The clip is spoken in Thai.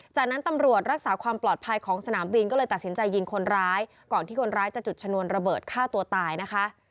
จากนั้นตำรวจรักษาความปลอดภัยของสนามบินก็เลยตัดสินใจยิงคนร้ายก่อนที่คนร้ายจะจุดชนวนระเบิดฆ่าตัวตายนะคะ